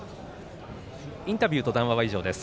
インタビューと談話は以上です。